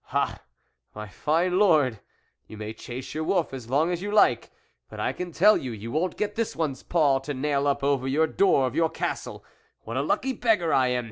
" Ah, my fine Lord, you may chase your wolf as long as you like ; but I can tell you, you won't get this one's paw to nail up over the door of your castle, What a lucky beggar I am